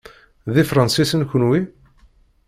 D Ifransisen, kenwi?